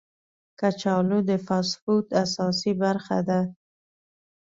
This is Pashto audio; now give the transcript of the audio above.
کچالو د فاسټ فوډ اساسي برخه ده